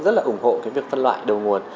rất là ủng hộ việc phân loại đầu nguồn